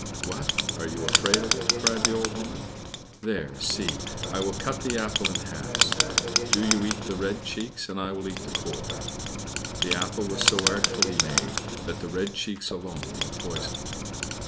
"What! are you afraid of it?" cried the old woman. "There, see I will cut the apple in halves; do you eat the red cheeks, and I will eat the core." (The apple was so artfully made that the red cheeks alone were poisoned.)